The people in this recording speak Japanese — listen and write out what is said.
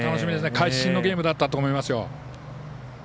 会心のゲームだったと思います。